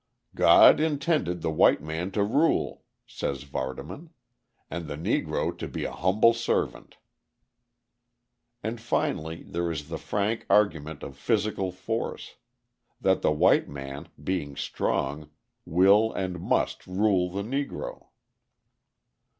"God intended the white man to rule," says Vardaman, "and the Negro to be a humble servant." And finally there is the frank argument of physical force; that the white man, being strong, will and must rule the Negro.